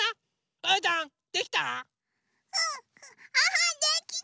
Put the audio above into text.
うーたんできた？